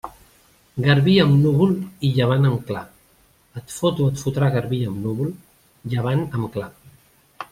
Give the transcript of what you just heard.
Garbí amb núvol i llevant amb clar, et fot o et fotrà Garbí amb núvol, llevant amb clar.